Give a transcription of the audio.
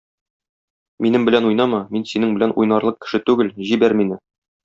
Минем белән уйнама, мин синең белән уйнарлык кеше түгел, җибәр мине!